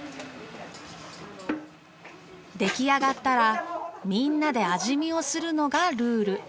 出来上がったらみんなで味見をするのがルール。